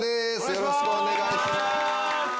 よろしくお願いします。